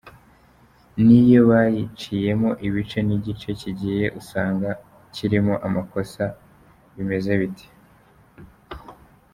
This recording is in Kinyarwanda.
N’iyo bayiciyemo ibice n’igice kigiye usanga kirimo amakosa, bimeze bite?”.